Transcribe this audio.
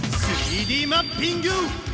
３Ｄマッピング！